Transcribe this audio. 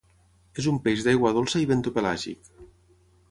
És un peix d'aigua dolça i bentopelàgic.